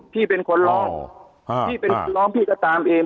พี่เป็นคนร้องพี่เป็นคนร้องพี่ก็ตามเอง